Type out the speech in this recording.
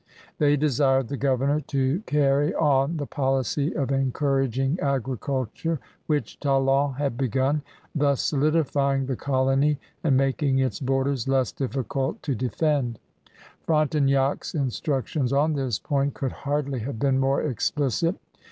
They desired the governor to carry on the policy of encouraging agriculture which Talon had b^un, thus solidifying the colony and making its borders less difficult to defend. Frontenac's instructions on this point could hardly have been more explicit.